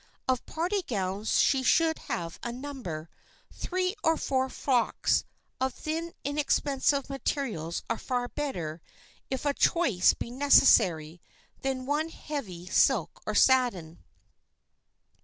Of party gowns she should have a number. Three or four frocks of thin inexpensive materials are far better, if a choice be necessary, than one heavy silk or satin.